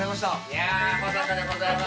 いやまさかでございます。